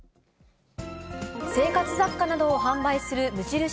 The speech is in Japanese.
生活雑貨などを販売する無印